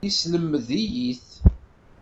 Yeslemed-iyi-t.